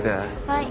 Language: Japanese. はい。